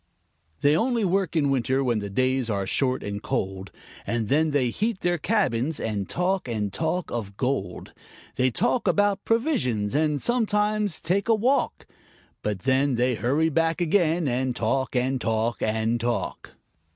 They only work in winter, when the days are short and cold, And then they heat their cabins, and talk and talk of gold; They talk about provisions, and sometimes take a walk, But then they hurry back again and talk, and talk, and talk.